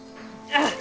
ああ！